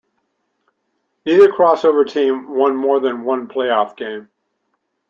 Neither crossover team won more than one playoff game.